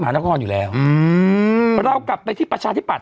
นครอยู่แล้วอืมเรากลับไปที่ประชาธิปัต